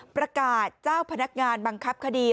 ประกาศเจ้าพนักงานบังคับคดี